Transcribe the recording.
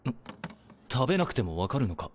食べなくても分かるのか？